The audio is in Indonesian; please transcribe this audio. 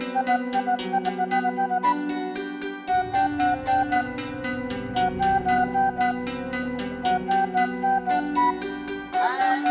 mau jadi anak essentials mau jadi anak ayam